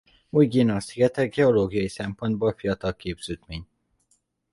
Új-Guinea szigete geológiai szempontból fiatal képződmény.